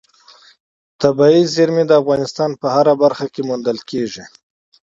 طبیعي زیرمې د افغانستان په هره برخه کې موندل کېږي.